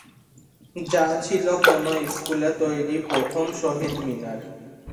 যা ছিলো কোনো স্কুলে তৈরী প্রথম শহীদ মিনার।